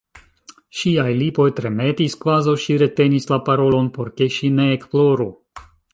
Ŝiaj lipoj tremetis, kvazaŭ ŝi retenis la parolon, por ke ŝi ne ekploru.